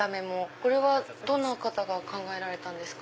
これはどの方が考えられたんですか？